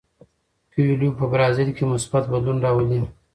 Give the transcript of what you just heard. کویلیو په برازیل کې مثبت بدلون راولي.